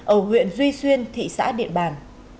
ở huyện duy xuyên thị xã điện bàn